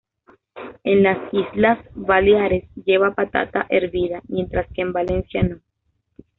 En las Islas Baleares lleva patata hervida, mientras que en Valencia no.